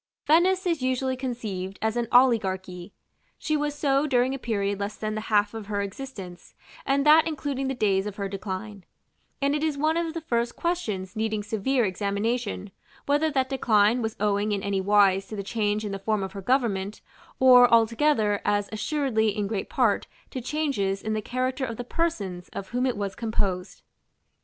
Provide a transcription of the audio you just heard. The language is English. § III. Venice is usually conceived as an oligarchy: She was so during a period less than the half of her existence, and that including the days of her decline; and it is one of the first questions needing severe examination, whether that decline was owing in any wise to the change in the form of her government, or altogether, as assuredly in great part, to changes, in the character of the persons of whom it was composed.